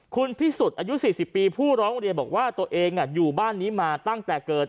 คุณพิสุทธิ์อายุ๔๐ปีผู้ร้องเรียนบอกว่าตัวเองอยู่บ้านนี้มาตั้งแต่เกิด